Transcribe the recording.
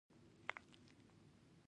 یو لوی جومات هم جوړ شوی دی.